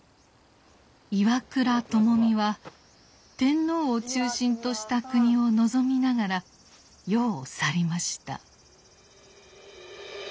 岩倉具視は天皇を中心とした国を望みながら世を去りました。